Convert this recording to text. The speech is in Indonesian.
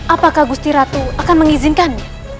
apakah gusti ratu akan mengizinkan